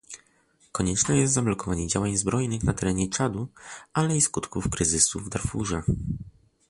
Konieczne jest zablokowanie działań zbrojnych na terenie Czadu, ale i skutków kryzysu w Darfurze